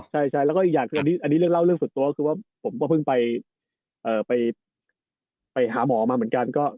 ใช่แล้วก็อีกอย่างคืออันนี้เรื่องเล่าเรื่องส่วนตัวก็คือว่าผมก็เพิ่งไปหาหมอมาเหมือนกัน